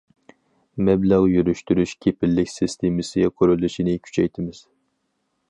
مەبلەغ يۈرۈشتۈرۈش كېپىللىك سىستېمىسى قۇرۇلۇشىنى كۈچەيتىمىز.